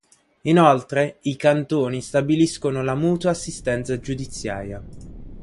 Inoltre, i cantoni stabiliscono la mutua assistenza giudiziaria.